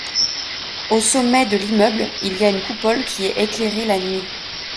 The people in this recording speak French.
Au sommet de l'immeuble il y a une coupole qui est éclairée la nuit.